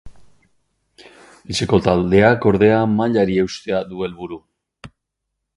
Etxeko taldeak, ordea, mailari eustea du helburu.